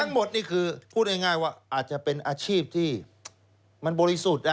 หมดนี่คือพูดง่ายว่าอาจจะเป็นอาชีพที่มันบริสุทธิ์